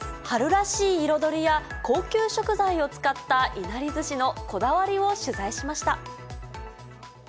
春らしい彩りや、高級食材を使ったいなりずしのこだわりを取材しました。